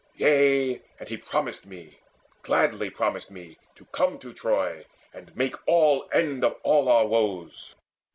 Yea, and he Promised me, gladly promised me, to come To Troy, and make all end of all our woes.